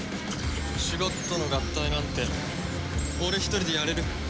シュゴッドの合体なんて俺一人でやれる。